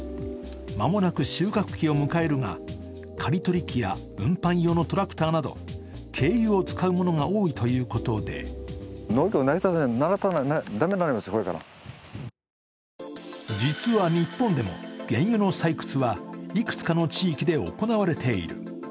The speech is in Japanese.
間もなく収穫期を迎えるが刈り取り機や運搬用のトラクターなど、軽油を使うものが多いということで実は日本でも原油の採掘はいくつかの地域で行われている。